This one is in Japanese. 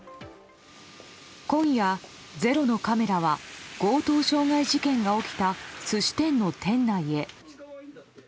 今夜「ｚｅｒｏ」のカメラは強盗傷害事件が起きた寿司店の店内へ。